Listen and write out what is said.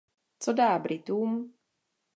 Co dá Britům?